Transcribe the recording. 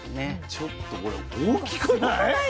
ちょっとこれ大きくない？